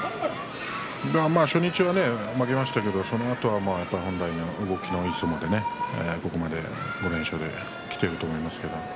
初日はね負けましたけどそのあとは、やはり本来の動きのいい相撲でここまで５連勝できていると思いますね。